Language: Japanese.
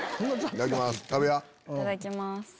いただきます。